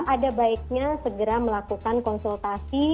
ada baiknya segera melakukan konsultasi